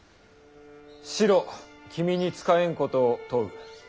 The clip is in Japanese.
「子路君に事えんことを問う。